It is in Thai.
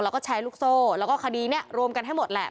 แล้วก็แชร์ลูกโซ่แล้วก็คดีนี้รวมกันให้หมดแหละ